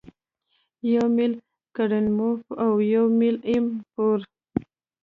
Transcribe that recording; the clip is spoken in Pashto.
یو میل کرینموف او یو میل ایم پور